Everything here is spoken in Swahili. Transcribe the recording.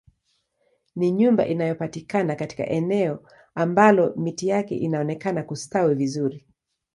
Ni nyumba inayopatikana katika eneo ambalo miti yake inaonekana kustawi vizuri